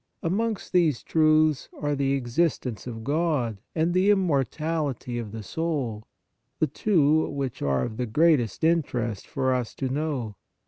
Amongst these truths are the existence of God and the immortality of the soul, the two which are of the greatest interest for us to know.